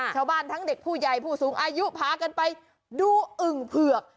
ทั้งเด็กผู้ใหญ่ผู้สูงอายุพากันไปดูอึ่งเผือก